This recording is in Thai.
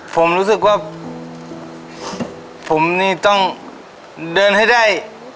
ผมรู้สึกว่าผมนี่ต้องเดินให้ได้